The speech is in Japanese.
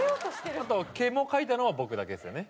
あと毛も描いたのは僕だけですよね。